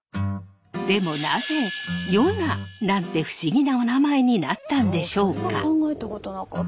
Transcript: でもなぜヨナなんて不思議なおなまえになったんでしょうか？